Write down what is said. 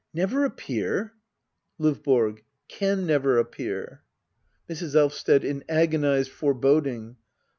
Never appear ! LdVBORO. Can never appear. Mrs. Elvsted. [In agonised foreboding.'